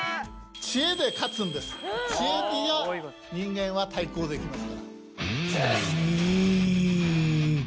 知恵で人間は対抗できますから。